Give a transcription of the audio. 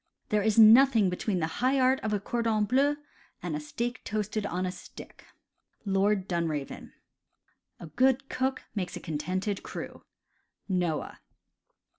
"There is nothing between the high art of a cordon bleu and a steak toasted on a stick." — Lord Dunraven. "A good cook makes a contented crew." — Noah.